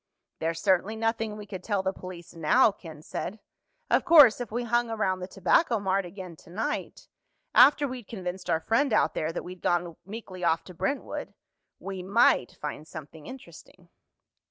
"There's certainly nothing we could tell the police now," Ken said. "Of course, if we hung around the Tobacco Mart again tonight—after we'd convinced our friend out there that we'd gone meekly off to Brentwood—we might find something interesting."